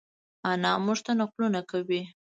انا مونږ ته نقلونه کوی